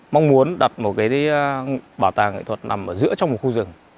mong muốn đặt một cái bảo tàng nghệ thuật nằm ở giữa trong một khu rừng